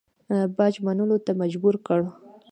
باج منلو ته مجبور کړ.